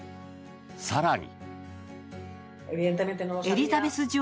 更に。